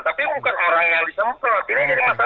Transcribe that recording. tapi bukan orang yang disemprot ini jadi masalah